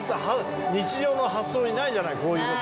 日常の発想にないじゃないこういう事。